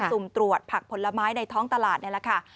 สุ่มตรวจผักผลไม้ในท้องตลาดนี่แหละค่ะ